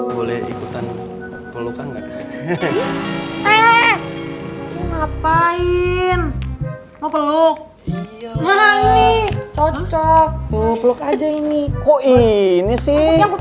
boleh ikutan pelukan enggak ngapain mau peluk mahal nih cocok peluk aja ini kok ini sih